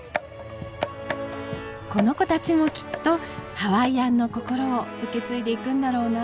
この子たちもきっとハワイアンの心を受け継いでいくんだろうな。